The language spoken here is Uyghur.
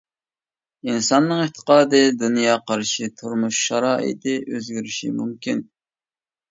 ئىنساننىڭ ئېتىقادى، دۇنيا قارىشى، تۇرمۇش شارائىتى ئۆزگىرىشى مۇمكىن.